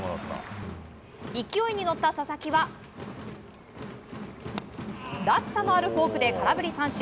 勢いに乗った佐々木は落差のあるフォークで空振り三振。